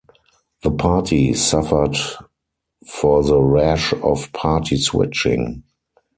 The party suffered for the rash of party-switching.